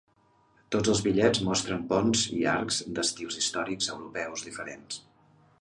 Tots els bitllets mostren ponts i arcs d'estils històrics europeus diferents.